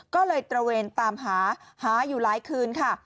ก็เลยตระเวนตามหาหาอยู่หลายคืนค่ะ